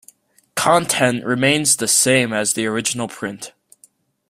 Content remains the same as the original print.